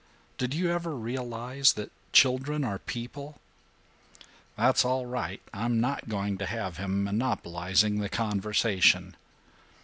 Did you ever realize that children are people?" "That's all right. I'm not going to have him monopolizing the conversation."